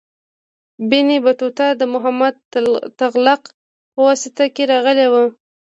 ابن بطوطه د محمد تغلق په وخت کې راغلی و.